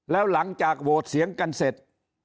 แล้วหลังจากโหวตเสียงกันเสร็จ